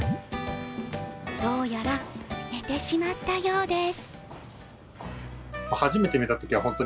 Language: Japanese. どうやら寝てしまったようです。